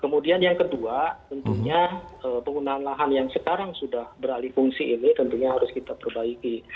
kemudian yang kedua tentunya penggunaan lahan yang sekarang sudah beralih fungsi ini tentunya harus kita perbaiki